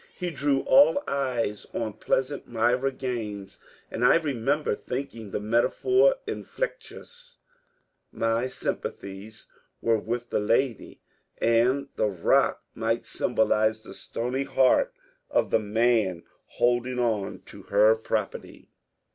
He drew all eyes on pleasant Myra Gbtines, and I remember thinking the metaphor infelicitous. My sympathies were with the lady, and the *^ rock " might symbolize the stony heart of 100 MONCXJRE DANIEL CONWAY the man holding on to her property.